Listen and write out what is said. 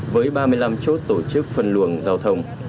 với ba mươi năm chốt tổ chức phân luồng giao thông